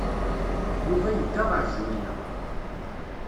Yuba yedda ɣer Zwina.